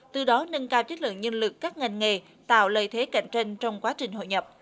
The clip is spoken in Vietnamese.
từ đó nâng cao chất lượng nhân lực các ngành nghề tạo lợi thế cạnh tranh trong quá trình hội nhập